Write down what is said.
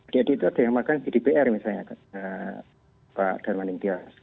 jadi itu ada yang makan gdpr misalnya pak dharma nintias